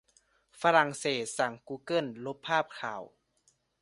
ฝรั่งเศสสั่งกูเกิลลบภาพข่าว